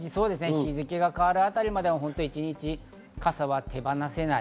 日付が変わるあたりまで傘は手放せない。